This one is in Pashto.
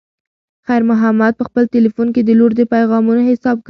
خیر محمد په خپل تلیفون کې د لور د پیغامونو حساب کاوه.